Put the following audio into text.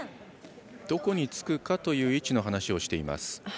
どこにつくかという位置の話をしています。